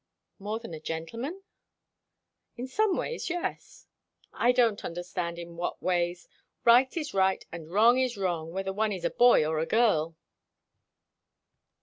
"More than a gentleman?" "In some ways, yes." "I don't understand in what ways. Right is right, and wrong is wrong, whether one is a boy or a girl."